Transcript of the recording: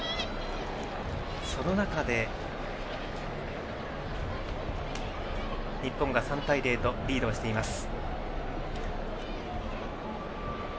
その中で、日本が３対０とリードしています。